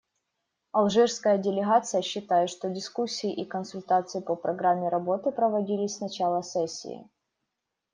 Алжирская делегация считает, что дискуссии и консультации по программе работы проводились с начала сессии.